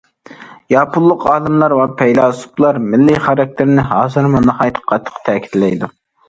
ياپونلۇق ئالىملار ۋە پەيلاسوپلار مىللىي خاراكتېرنى ھازىرمۇ ناھايىتى قاتتىق تەكىتلەيدۇ.